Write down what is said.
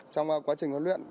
trong quá trình huấn luyện